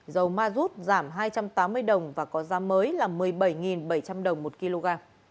dầu ma rút giảm hai trăm tám mươi đồng và có giá mới là một mươi bảy bảy trăm linh đồng một kg